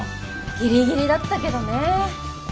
ギリギリだったけどね。